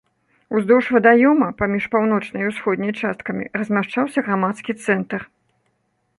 Уздоўж вадаёма, паміж паўночнай і ўсходняй часткамі, размяшчаўся грамадскі цэнтр.